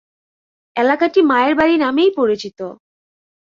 এলাকাটি মায়ের বাড়ি নামেই পরিচিত।